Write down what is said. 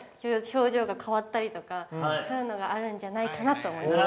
◆表情が変わったりとか、そういうのがあるんじゃないかなと思います。